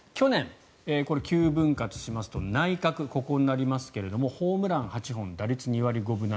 ９分割しますと内角、ここになりますがホームラン８本打率２割５分７厘。